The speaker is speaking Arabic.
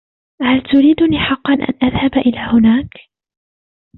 هل تريدني حقاً أن أذهب إلى هناك الأن ؟